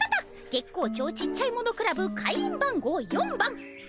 月光町ちっちゃいものクラブ会員番号４番カタピーさま